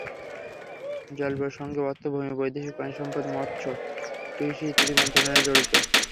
জলবায়ুর সঙ্গে অর্থ, ভূমি, বৈদেশিক, পানিসম্পদ, মৎস্য, কৃষি ইত্যাদি মন্ত্রণালয় জড়িত।